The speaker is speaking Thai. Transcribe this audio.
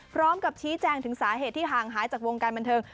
พร้อมกับชี้แจงถึงสาเหตุที่ห่างหายจากวงการบันเทิง